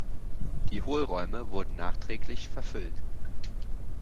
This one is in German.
Die Hohlräume wurden nachträglich verfüllt.